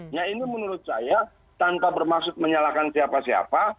nah ini menurut saya tanpa bermaksud menyalahkan siapa siapa